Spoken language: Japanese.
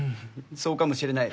そうかもしれない。